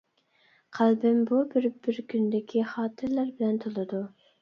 قەلبىم بۇ بىر بىر كۈندىكى خاتىرىلەر بىلەن تولىدۇ.